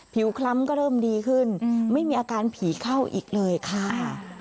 คล้ำก็เริ่มดีขึ้นไม่มีอาการผีเข้าอีกเลยค่ะ